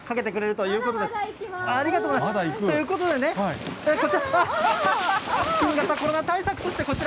ということでね、こちら。